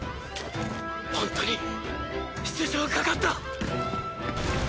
ホントに出場かかった！！